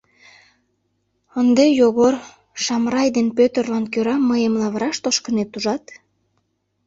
— Ынде, Йогор, Шамрай ден Пӧтырлан кӧра мыйым лавыраш тошкынет ужат?